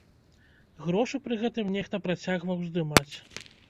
Грошы пры гэтым нехта працягваў здымаць.